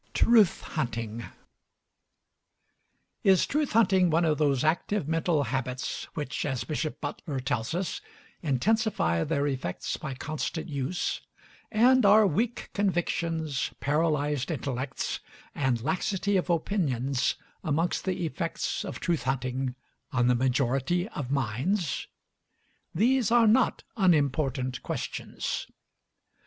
TRUTH HUNTING Is truth hunting one of those active mental habits which, as Bishop Butler tells us, intensify their effects by constant use; and are weak convictions, paralyzed intellects, and laxity of opinions amongst the effects of Truth hunting on the majority of minds? These are not unimportant questions.